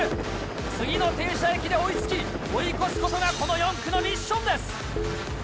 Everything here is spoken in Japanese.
次の停車駅で追い付き追い越すことがこの４区のミッションです！